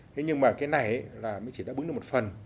thế nhưng mà cái này ấy là mới chỉ đã bứng được một phần